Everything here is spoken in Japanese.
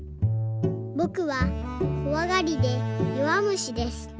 「ぼくはこわがりでよわむしです。